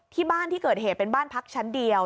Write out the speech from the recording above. ที่บ้านที่เกิดเหตุเป็นบ้านพักชั้นเดียว